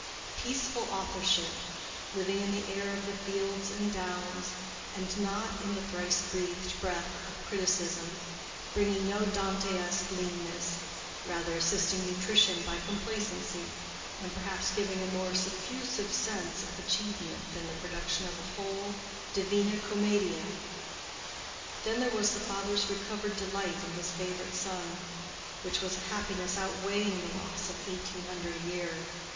Peaceful authorship!—living in the air of the fields and downs, and not in the thrice breathed breath of criticism—bringing no Dantesque leanness; rather, assisting nutrition by complacency, and perhaps giving a more suffusive sense of achievement than the production of a whole Divina Commedia. Then there was the father's recovered delight in his favorite son, which was a happiness outweighing the loss of eighteen hundred a year.